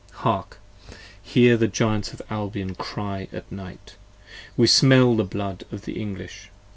Hark! hear the Giants of Albion cry at night. We smell the blood of the English!